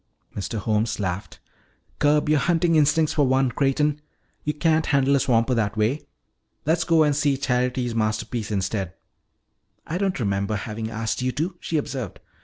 Mr. Holmes laughed. "Curb your hunting instincts for once, Creighton. You can't handle a swamper that way. Let's go and see Charity's masterpiece instead." "I don't remember having asked you to," she observed.